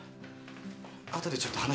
あとでちょっと話。